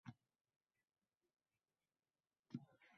Muntazam ravishda chak-chaklatib oqizgan.